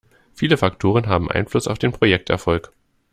Viele Faktoren haben Einfluss auf den Projekterfolg.